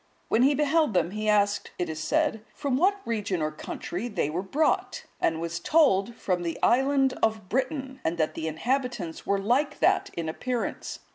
When he beheld them, he asked, it is said, from what region or country they were brought? and was told, from the island of Britain, and that the inhabitants were like that in appearance.